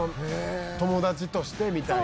友達としてみたいに。